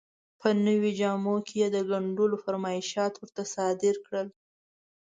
په نویو جامو کې یې د ګنډلو فرمایشات ورته صادر کړل.